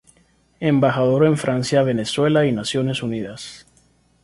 Embajador en Francia, Venezuela y Naciones Unidas.